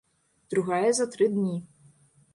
Другая за тры дні.